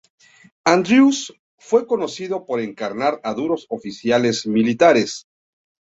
Andrews fue conocido por encarnar a duros oficiales militares.